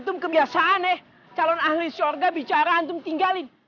itu kebiasaan nih calon ahli syurga bicaraan itu tinggalin